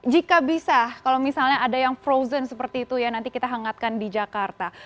jika bisa kalau misalnya ada yang frozen seperti itu ya nanti kita hangatkan di jakarta